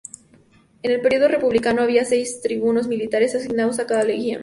En el periodo republicano había seis tribunos militares asignados a cada legión.